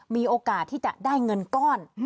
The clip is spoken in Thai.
มีโอกาสที่จะได้เงินก้อน